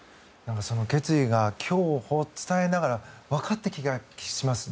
その決意が今日、伝えながら分かった気がします。